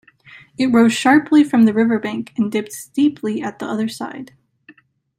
It rose sharply from the riverbank and dipped steeply at the other side.